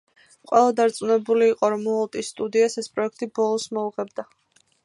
ყველა დარწმუნებული იყო, რომ უოლტის სტუდიას ეს პროექტი ბოლოს მოუღებდა.